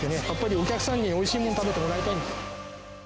やっぱりお客さんにおいしいものを食べてもらいたい。